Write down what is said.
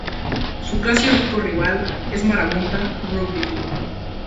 Su clásico rival es Marabunta Rugby Club.